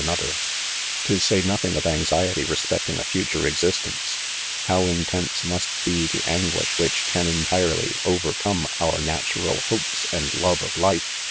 SQ ==■ Wl PREFACE, To say nothing of anxiety respecting a future existence, iiow Intense mast be the anguish which, can entirely overcome our natural hopes and love of life